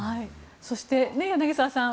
そして柳澤さん